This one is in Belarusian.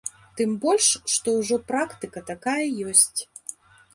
Тым больш, што ўжо практыка такая ёсць.